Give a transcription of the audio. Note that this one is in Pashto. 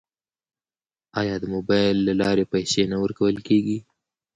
آیا د موبایل له لارې پیسې نه ورکول کیږي؟